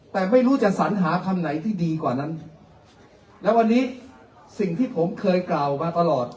แต่ไม่รู้จะสัญหาคำไหนที่ดีกว่านั้นและวันนี้สิ่งที่ผมเคยกล่าวมาตลอด